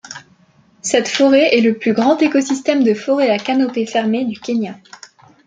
Cette forêt est le plus grand écosystème de forêt à canopée fermée du Kenya.